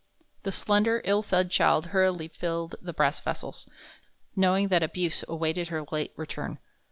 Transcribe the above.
The slender, ill fed child hurriedly filled the brass vessels, knowing that abuse awaited her late return.